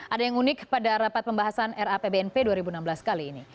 ada yang unik pada rapat pembahasan rapbnp dua ribu enam belas kali ini